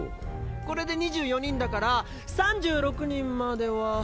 これで２４人だから３６人までは。